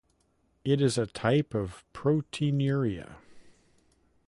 It is a type of proteinuria.